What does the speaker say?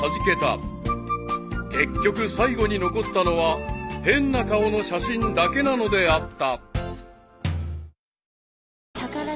［結局最後に残ったのは変な顔の写真だけなのであった］